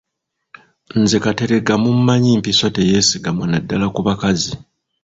Nze Kateregga mmumanyi mpiso teyeesigamwa naddala ku bakazi.